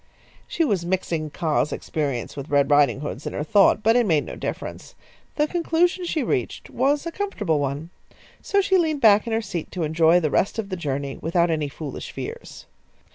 She was mixing Kaa's experience with Red Riding hood's in her thought, but it made no difference. The conclusion she reached was a comfortable one. So she leaned back in her seat to enjoy the rest of the journey without any foolish fears.